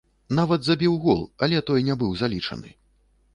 Нават забіў гол, але той не быў залічаны.